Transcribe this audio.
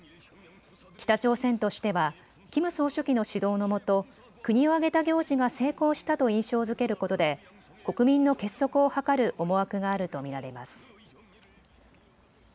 北朝鮮としてはキム総書記の指導のもと国を挙げた行事が成功したと印象づけることで国民の結束を図る思惑があると見られます。